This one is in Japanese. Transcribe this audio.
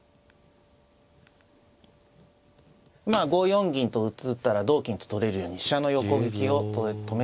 まあ５四銀と打ったら同金と取れるように飛車の横利きを止めたということです。